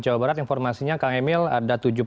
jawa barat informasinya kang emil ada